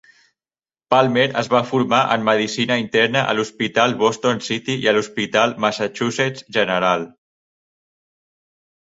Palmer es va formar en medicina interna a l'hospital Boston City i a l'hospital Massachusetts General.